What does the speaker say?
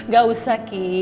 gak usah ki